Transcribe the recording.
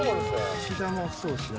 岸田もそうですね。